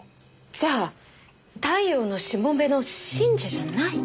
じゃあ太陽のしもべの信者じゃない。